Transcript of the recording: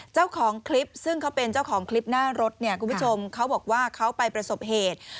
เจ้าของคลิปซึ่งเขาเป็นเจ้าของคลิปหน้ารถเนี่ยคุณผู้ชมเขาบอกว่าเขาไปประสบเหตุ